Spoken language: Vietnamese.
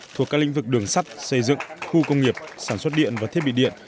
thuộc các lĩnh vực đường sắt xây dựng khu công nghiệp sản xuất điện và thiết bị điện